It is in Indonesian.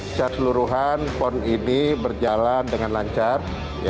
secara seluruhan pon ini berjalan dengan lancar